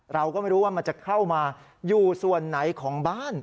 เราก็ไม่รู้ว่ามันจะเข้ามาอยู่ส่วนไหนของบ้าน